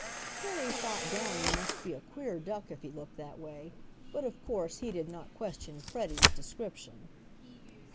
Harry thought Downy must be a queer duck if he looked that way, but, of course, he did not question Freddie's description.